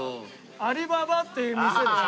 アリババっていう店でしょ？